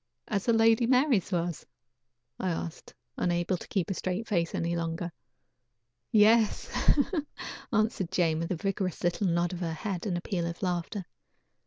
"As the Lady Mary's was?" asked I, unable to keep a straight face any longer. "Yes," answered Jane, with a vigorous little nod of her head, and a peal of laughter.